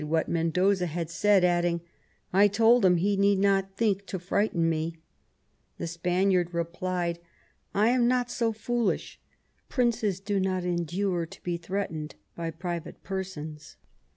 what Mendoza had said, adding " I told him he need not think to frighten me ". The Spaniard replied :" I am not so foolish. Princes do not endure to be threatened by private persons.